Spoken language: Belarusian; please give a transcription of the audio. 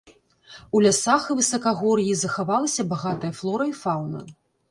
У лясах і высакагор'і захавалася багатая флора і фаўна.